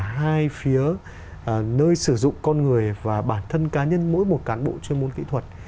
hai phía nơi sử dụng con người và bản thân cá nhân mỗi một cán bộ chuyên môn kỹ thuật